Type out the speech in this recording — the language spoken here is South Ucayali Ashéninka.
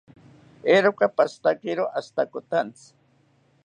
Eeroka pashitakiro ashitakontzi